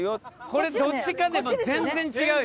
これどっちかで全然違うよ。